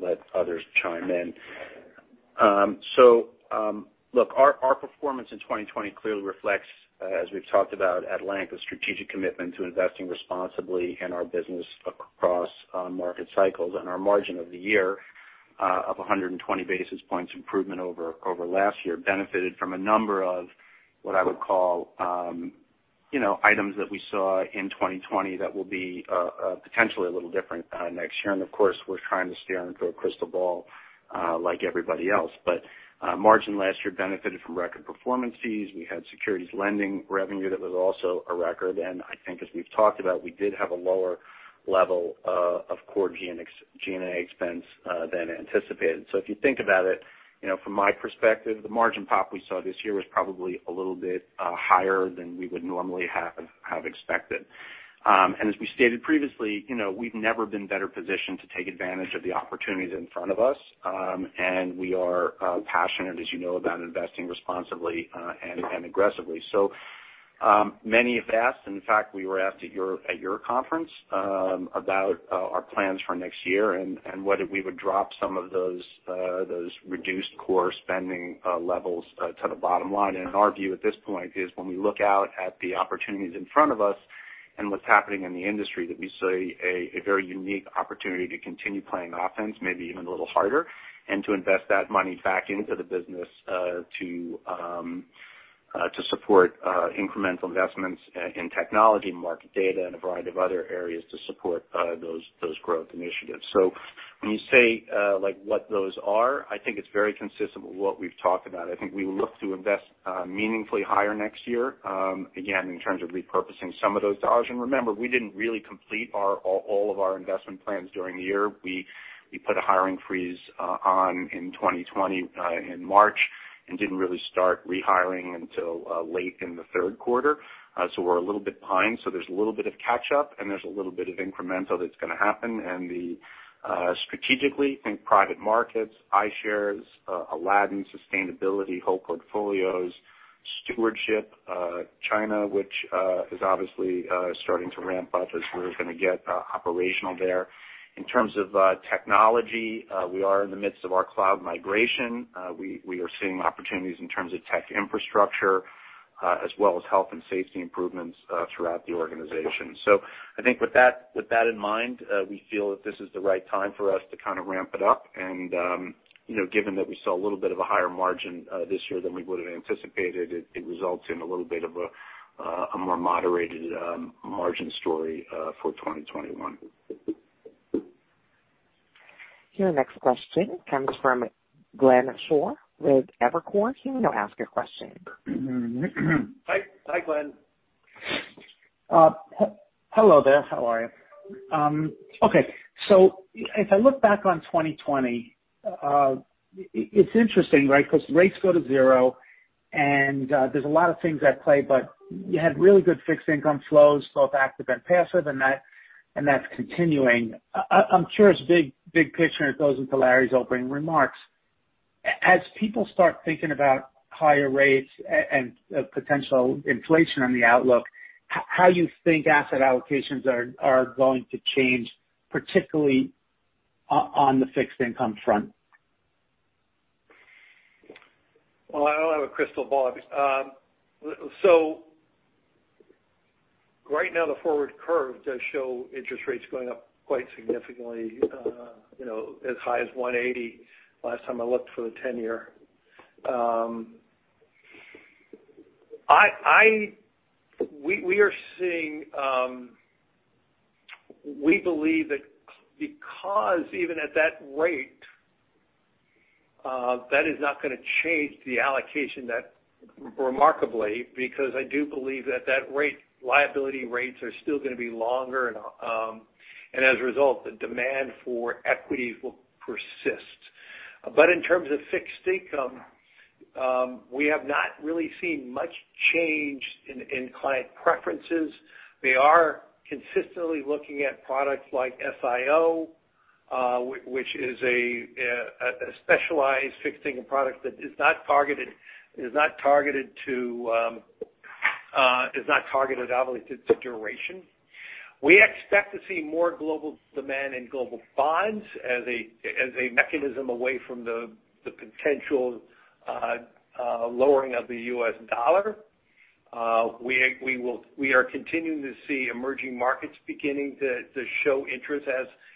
let others chime in. Look, our performance in 2020 clearly reflects, as we've talked about at length, a strategic commitment to investing responsibly in our business across market cycles. Our margin of the year, up 120 basis points improvement over last year, benefited from a number of what I would call items that we saw in 2020 that will be potentially a little different next year. Of course, we're trying to stare into a crystal ball like everybody else. Margin last year benefited from record performances. We had securities lending revenue that was also a record. I think as we've talked about, we did have a lower level of core G&A expense than anticipated. If you think about it, from my perspective, the margin pop we saw this year was probably a little bit higher than we would normally have expected. As we stated previously, we've never been better positioned to take advantage of the opportunities in front of us. We are passionate, as you know, about investing responsibly and aggressively. Many have asked, in fact, we were asked at your conference about our plans for next year and whether we would drop some of those reduced core spending levels to the bottom line. Our view at this point is when we look out at the opportunities in front of us and what's happening in the industry, that we see a very unique opportunity to continue playing offense, maybe even a little harder, and to invest that money back into the business to support incremental investments in technology, market data, and a variety of other areas to support those growth initiatives. When you say what those are, I think it's very consistent with what we've talked about. I think we look to invest meaningfully higher next year, again, in terms of repurposing some of those dollars. Remember, we didn't really complete all of our investment plans during the year. We put a hiring freeze on in 2020 in March and didn't really start rehiring until late in the third quarter. We're a little bit behind. There's a little bit of catch up, and there's a little bit of incremental that's going to happen. Strategically, think private markets, iShares, Aladdin, sustainability, whole portfolios. Stewardship. China, which is obviously starting to ramp up as we're going to get operational there. In terms of technology, we are in the midst of our cloud migration. We are seeing opportunities in terms of tech infrastructure, as well as health and safety improvements throughout the organization. I think with that in mind, we feel that this is the right time for us to kind of ramp it up and, given that we saw a little bit of a higher margin this year than we would've anticipated, it results in a little bit of a more moderated margin story for 2021. Your next question comes from Glenn Schorr with Evercore. You may now ask your question. Hi, Glenn. Hello there. How are you? Okay. If I look back on 2020, it's interesting, right? Because rates go to zero and there's a lot of things at play, but you had really good fixed income flows, both active and passive, and that's continuing. I'm curious, big picture, and it goes into Laurence's opening remarks, as people start thinking about higher rates and potential inflation on the outlook, how do you think asset allocations are going to change, particularly on the fixed income front? I don't have a crystal ball. Right now the forward curve does show interest rates going up quite significantly, as high as 180 last time I looked for the tenure. We believe that because even at that rate, that is not going to change the allocation that remarkably because I do believe that that rate, liability rates are still going to be longer and as a result, the demand for equity will persist. In terms of fixed income, we have not really seen much change in client preferences. They are consistently looking at products like FIO, which is a specialized fixed income product that is not targeted obviously to duration. We expect to see more global demand in global bonds as a mechanism away from the potential lowering of the U.S. dollar. We are continuing to see emerging markets beginning to show interest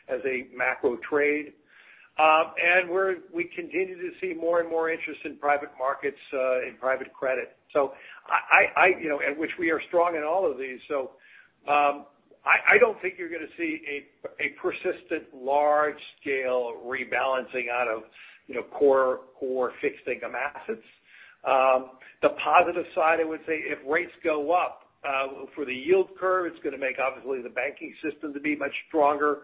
as a macro trade. We continue to see more and more interest in private markets, in private credit. At which we are strong in all of these. I don't think you're going to see a persistent large scale rebalancing out of core fixed income assets. The positive side, I would say, if rates go up for the yield curve, it's going to make obviously the banking system to be much stronger.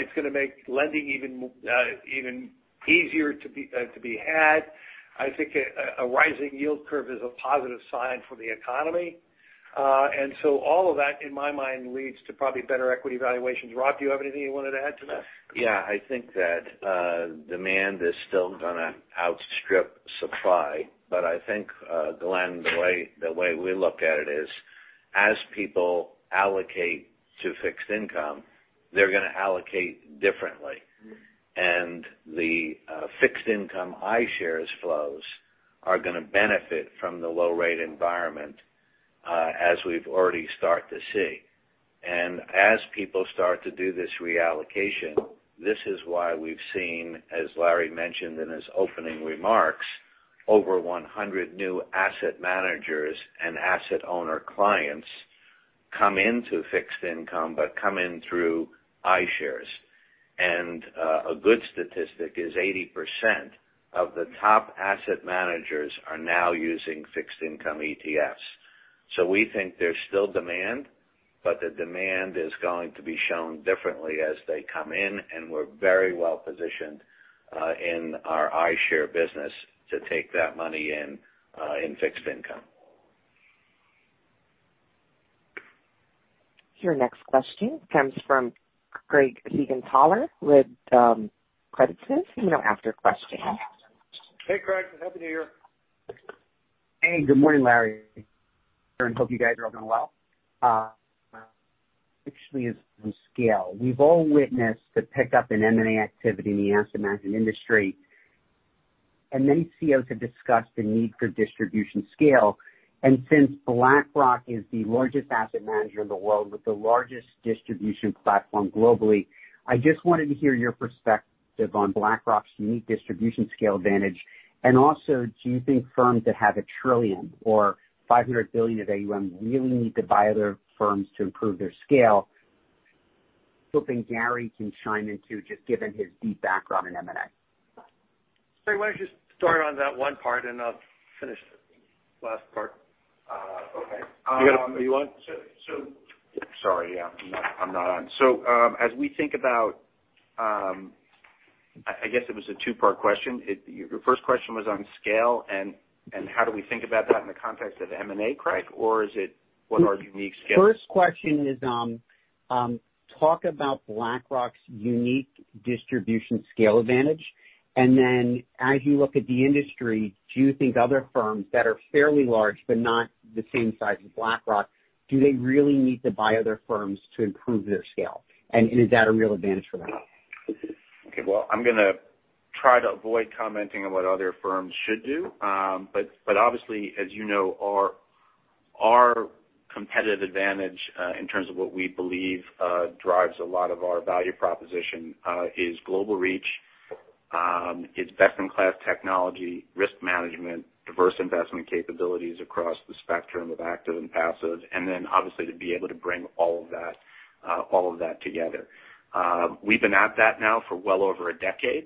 It's going to make lending even easier to be had. I think a rising yield curve is a positive sign for the economy. All of that, in my mind, leads to probably better equity valuations. Robert, do you have anything you wanted to add to that? Yeah, I think that demand is still going to outstrip supply. I think, Glenn, the way we look at it is as people allocate to fixed income, they're going to allocate differently. The fixed income iShares flows are going to benefit from the low rate environment, as we've already start to see. As people start to do this reallocation, this is why we've seen, as Laurence mentioned in his opening remarks, over 100 new asset managers and asset owner clients come into fixed income, but come in through iShares. A good statistic is 80% of the top asset managers are now using fixed income ETFs. We think there's still demand, but the demand is going to be shown differently as they come in, and we're very well positioned in our iShares business to take that money in fixed income. Your next question comes from Craig Siegenthaler with Credit Suisse. You may now ask your question. Hey, Craig. Happy New Year. Hey, good morning, Laurence. Hope you guys are all doing well. Actually is on scale. We've all witnessed the pickup in M&A activity in the asset management industry, and many CEOs have discussed the need for distribution scale. Since BlackRock is the largest asset manager in the world with the largest distribution platform globally, I just wanted to hear your perspective on BlackRock's unique distribution scale advantage. Also, do you think firms that have $1 trillion or $500 billion of AUM really need to buy other firms to improve their scale? Hoping Gary can chime in, too, just given his deep background in M&A. Craig, why don't you start on that one part and I'll finish the last part. Okay. You got it. Are you on? Sorry. Yeah. I'm not on. As we think about I guess it was a two-part question. Your first question was on scale and how do we think about that in the context of M&A, Craig? Is it what are unique scales? Talk about BlackRock's unique distribution scale advantage. As you look at the industry, do you think other firms that are fairly large but not the same size as BlackRock, do they really need to buy other firms to improve their scale? Is that a real advantage for them? Okay, well, I'm going to try to avoid commenting on what other firms should do. Obviously, as you know, our competitive advantage in terms of what we believe drives a lot of our value proposition is global reach, it's best-in-class technology, risk management, diverse investment capabilities across the spectrum of active and passive, and then obviously to be able to bring all of that together. We've been at that now for well over a decade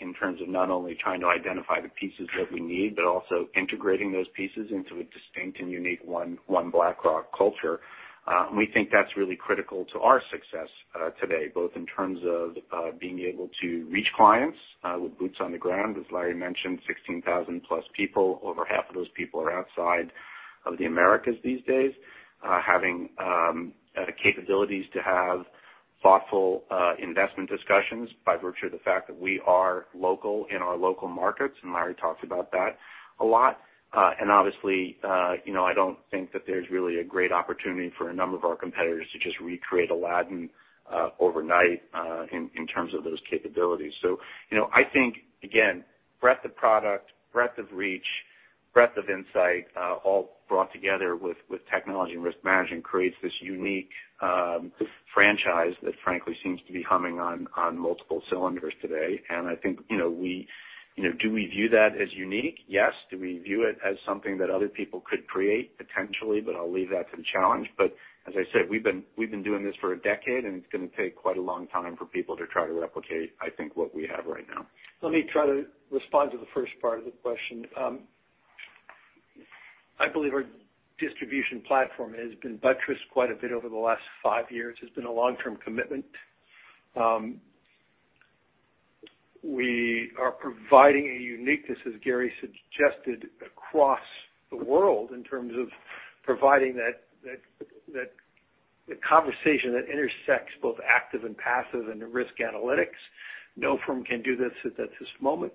in terms of not only trying to identify the pieces that we need, but also integrating those pieces into a distinct and unique One BlackRock culture. We think that's really critical to our success today, both in terms of being able to reach clients with boots on the ground. As Laurence mentioned, 16,000+ people, over half of those people are outside of the Americas these days. Having the capabilities to have thoughtful investment discussions by virtue of the fact that we are local in our local markets, Laurence talks about that a lot. Obviously I don't think that there's really a great opportunity for a number of our competitors to just recreate Aladdin overnight in terms of those capabilities. I think, again, breadth of product, breadth of reach, breadth of insight all brought together with technology and risk management creates this unique franchise that frankly seems to be humming on multiple cylinders today. Do we view that as unique? Yes. Do we view it as something that other people could create? Potentially, but I'll leave that to the challenge. As I said, we've been doing this for a decade, and it's going to take quite a long time for people to try to replicate, I think, what we have right now. Let me try to respond to the first part of the question. I believe our distribution platform has been buttressed quite a bit over the last five years. It's been a long-term commitment. We are providing a uniqueness, as Gary suggested, across the world in terms of providing that conversation that intersects both active and passive and risk analytics. No firm can do this at this moment.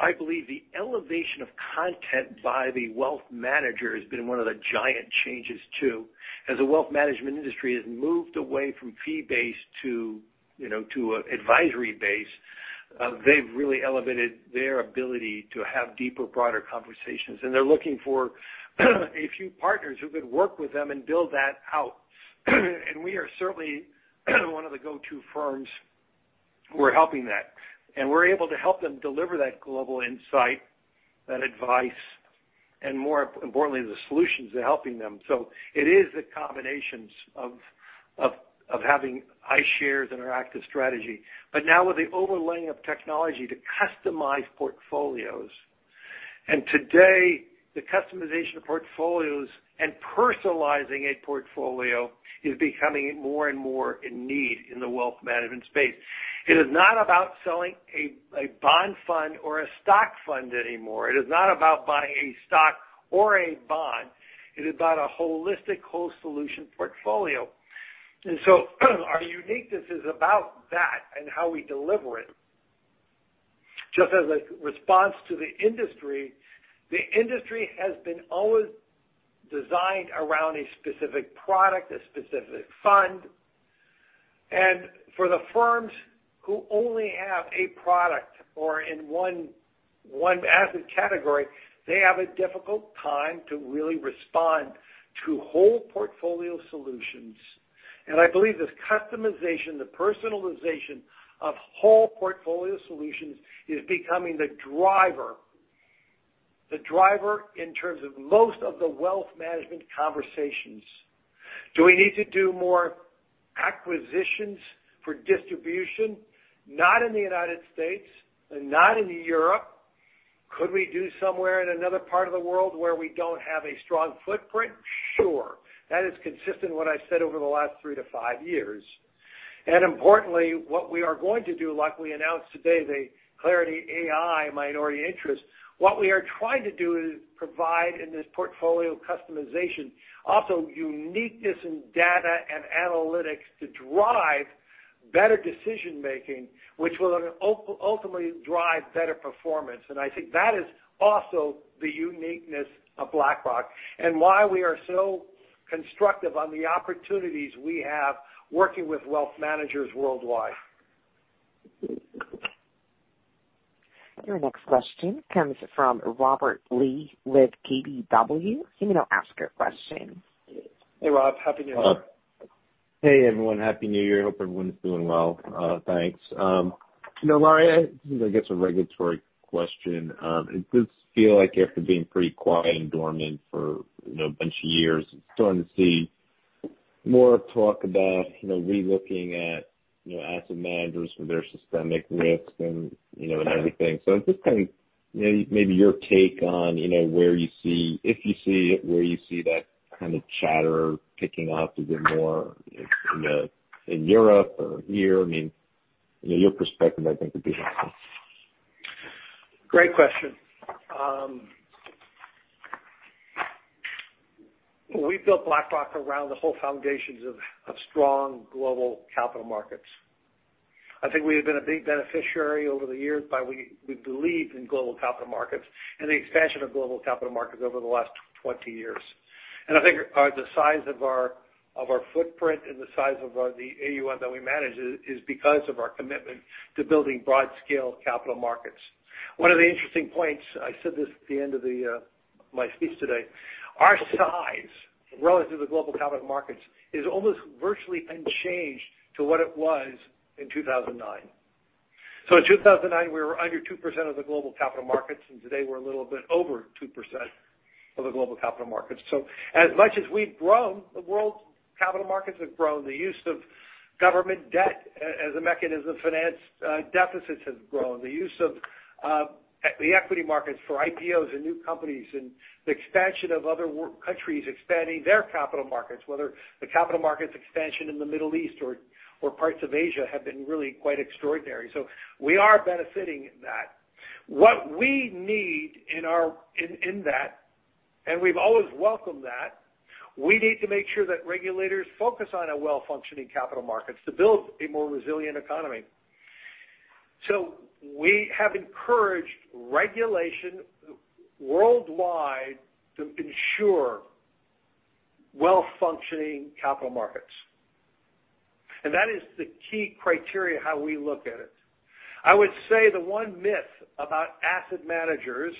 I believe the elevation of content by the wealth manager has been one of the giant changes, too. As the wealth management industry has moved away from fee-based to advisory-based, they've really elevated their ability to have deeper, broader conversations, and they're looking for a few partners who could work with them and build that out. We are certainly one of the go-to firms who are helping that. We're able to help them deliver that global insight, that advice, and more importantly, the solutions to helping them. It is the combinations of having iShares and our active strategy, but now with the overlaying of technology to customize portfolios. Today, the customization of portfolios and personalizing a portfolio is becoming more and more in need in the wealth management space. It is not about selling a bond fund or a stock fund anymore. It is not about buying a stock or a bond. It is about a holistic whole solution portfolio. Our uniqueness is about that and how we deliver it. Just as a response to the industry, the industry has been always designed around a specific product, a specific fund. For the firms who only have a product or in one asset category, they have a difficult time to really respond to whole portfolio solutions. I believe this customization, the personalization of whole portfolio solutions is becoming the driver in terms of most of the wealth management conversations. Do we need to do more acquisitions for distribution? Not in the United States and not in Europe. Could we do somewhere in another part of the world where we don't have a strong footprint? Sure. That is consistent in what I've said over the last three to five years. Importantly, what we are going to do, like we announced today, the Clarity AI minority interest, what we are trying to do is provide in this portfolio customization also uniqueness in data and analytics to drive better decision-making, which will ultimately drive better performance. I think that is also the uniqueness of BlackRock and why we are so constructive on the opportunities we have working with wealth managers worldwide. Your next question comes from Robert Lee with KBW. You may now ask your question. Hey, Robert. Happy New Year. Hey, everyone. Happy New Year. Hope everyone's doing well. Thanks. Laurence, this is I guess a regulatory question. It does feel like after being pretty quiet and dormant for a bunch of years, starting to see more talk about relooking at asset managers for their systemic risks and everything. Just maybe your take on if you see it, where you see that kind of chatter picking up, is it more in Europe or here? Your perspective, I think, would be helpful. Great question. We built BlackRock around the whole foundations of strong global capital markets. I think we have been a big beneficiary over the years by we believe in global capital markets and the expansion of global capital markets over the last 20 years. I think the size of our footprint and the size of the AUM that we manage is because of our commitment to building broad-scale capital markets. One of the interesting points, I said this at the end of my speech today, our size relative to global capital markets is almost virtually unchanged to what it was in 2009. In 2009, we were under 2% of the global capital markets, and today we're a little bit over 2% of the global capital markets. As much as we've grown, the world's capital markets have grown. The use of government debt as a mechanism to finance deficits has grown. The use of the equity markets for IPOs and new companies, and the expansion of other countries expanding their capital markets, whether the capital markets expansion in the Middle East or parts of Asia, have been really quite extraordinary. We are benefiting that. What we need in that, and we've always welcomed that, we need to make sure that regulators focus on our well-functioning capital markets to build a more resilient economy. We have encouraged regulation worldwide to ensure well-functioning capital markets. That is the key criteria how we look at it. I would say the one myth about asset managers,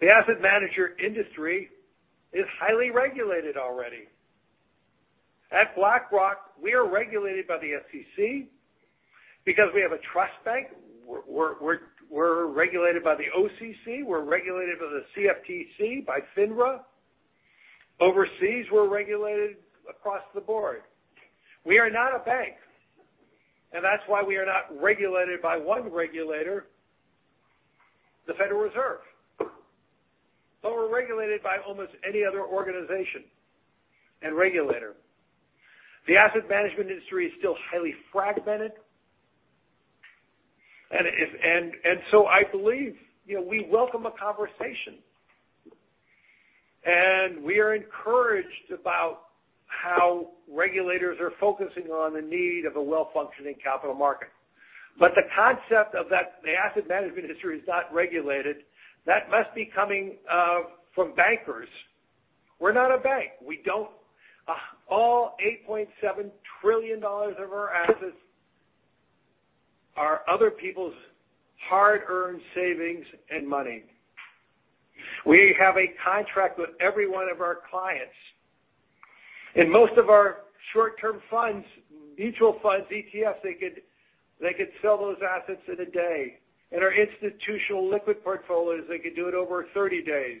the asset manager industry is highly regulated already. At BlackRock, we are regulated by the SEC because we have a trust bank. We're regulated by the OCC, we're regulated by the Commodity Futures Trading Commission, by Financial Industry Regulatory Authority. Overseas, we're regulated across the board. We are not a bank, that's why we are not regulated by one regulator, the Federal Reserve. We're regulated by almost any other organization and regulator. The asset management industry is still highly fragmented. I believe we welcome a conversation, and we are encouraged about how regulators are focusing on the need of a well-functioning capital market. The concept of that the asset management industry is not regulated, that must be coming from bankers. We're not a bank. All $8.7 trillion of our assets are other people's hard-earned savings and money. We have a contract with every one of our clients. In most of our short-term funds, mutual funds, ETFs, they could sell those assets in a day. In our institutional liquid portfolios, they could do it over 30 days.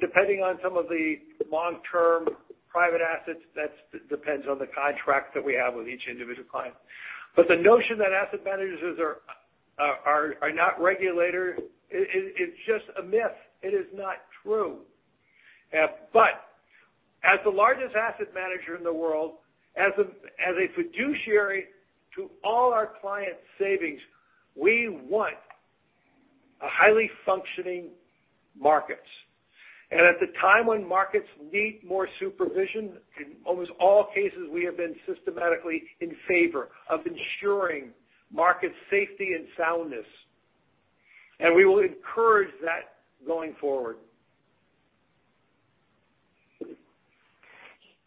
Depending on some of the long-term private assets, that depends on the contract that we have with each individual client. The notion that asset managers are not regulated it's just a myth. It is not true. As the largest asset manager in the world, as a fiduciary to all our clients' savings, we want highly functioning markets. At the time when markets need more supervision, in almost all cases, we have been systematically in favor of ensuring market safety and soundness, and we will encourage that going forward.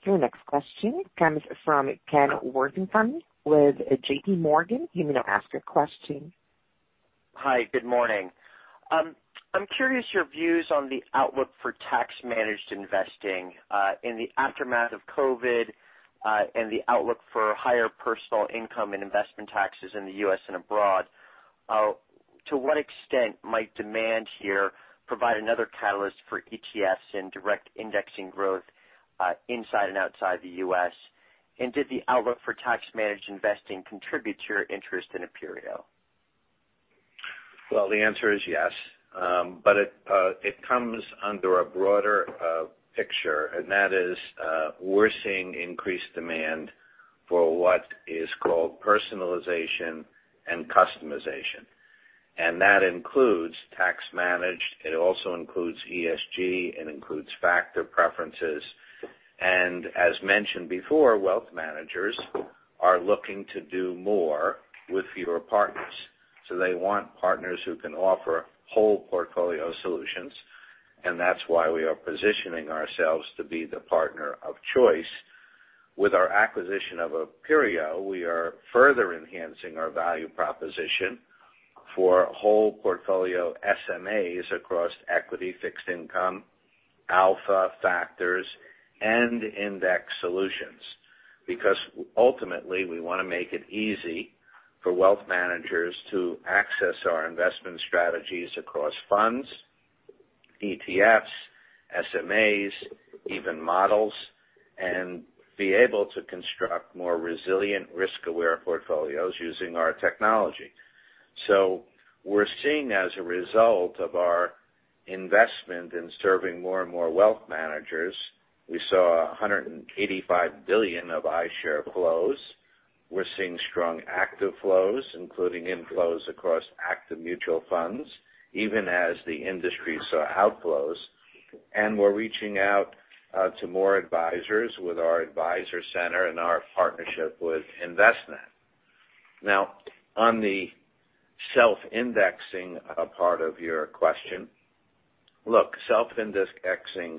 Your next question comes from Kenneth Worthington with JPMorgan. You may now ask your question. Hi, good morning. I'm curious your views on the outlook for tax-managed investing in the aftermath of COVID, and the outlook for higher personal income and investment taxes in the U.S. and abroad. To what extent might demand here provide another catalyst for ETFs and direct indexing growth inside and outside the U.S.? Did the outlook for tax-managed investing contribute to your interest in Aperio? Well, the answer is yes. It comes under a broader picture, and that is, we're seeing increased demand for what is called personalization and customization. That includes tax-managed. It also includes ESG, and includes factor preferences. As mentioned before, wealth managers are looking to do more with fewer partners. They want partners who can offer whole portfolio solutions, and that's why we are positioning ourselves to be the partner of choice. With our acquisition of Aperio, we are further enhancing our value proposition for whole portfolio SMAs across equity, fixed income, alpha factors, and index solutions. Because ultimately, we want to make it easy for wealth managers to access our investment strategies across funds, ETFs, SMAs, even models, and be able to construct more resilient, risk-aware portfolios using our technology. We're seeing as a result of our investment in serving more and more wealth managers. We saw $185 billion of iShares flows. We're seeing strong active flows, including inflows across active mutual funds, even as the industry saw outflows. We're reaching out to more advisors with our Advisor Center and our partnership with Envestnet. Now, on the self-indexing part of your question. Look, self-indexing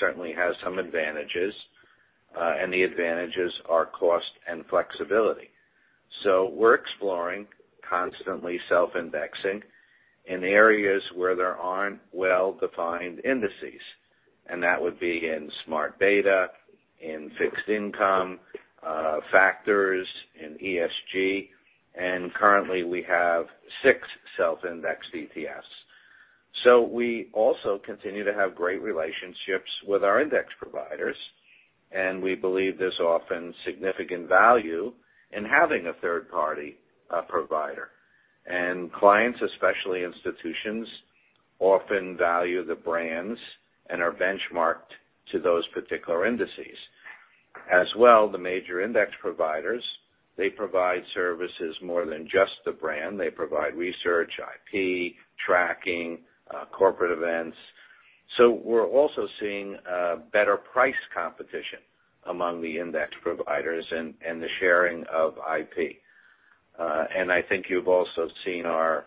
certainly has some advantages, and the advantages are cost and flexibility. We're exploring constantly self-indexing in areas where there aren't well-defined indices, and that would be in smart beta, in fixed income, factors in ESG, and currently we have six self-indexed ETFs. We also continue to have great relationships with our index providers, and we believe there's often significant value in having a third party provider. Clients, especially institutions, often value the brands and are benchmarked to those particular indices. The major index providers, they provide services more than just the brand. They provide research, IP, tracking, corporate events. We're also seeing better price competition among the index providers and the sharing of IP. I think you've also seen our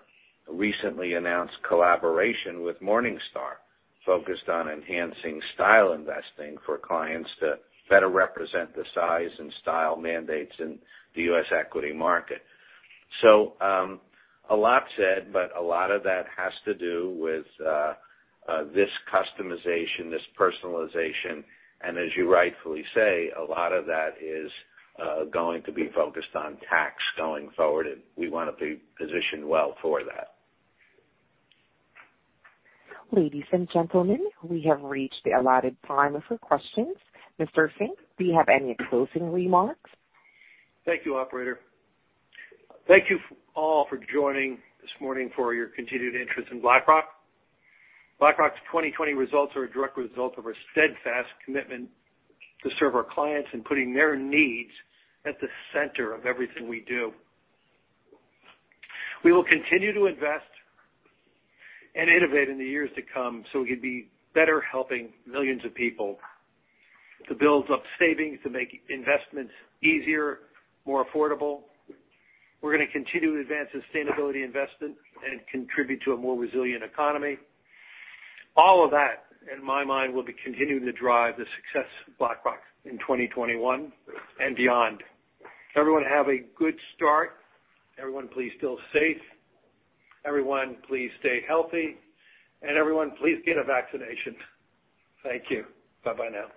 recently announced collaboration with Morningstar focused on enhancing style investing for clients to better represent the size and style mandates in the U.S. equity market. A lot said, but a lot of that has to do with this customization, this personalization, and as you rightfully say, a lot of that is going to be focused on tax going forward, and we want to be positioned well for that. Ladies and gentlemen, we have reached the allotted time for questions. Mr. Fink, do you have any closing remarks? Thank you, operator. Thank you all for joining this morning, for your continued interest in BlackRock. BlackRock's 2020 results are a direct result of our steadfast commitment to serve our clients and putting their needs at the center of everything we do. We will continue to invest and innovate in the years to come so we can be better helping millions of people to build up savings, to make investments easier, more affordable. We're going to continue to advance sustainability investment and contribute to a more resilient economy. All of that, in my mind, will be continuing to drive the success of BlackRock in 2021 and beyond. Everyone have a good start. Everyone, please stay safe. Everyone, please stay healthy. Everyone, please get a vaccination. Thank you. Bye bye now.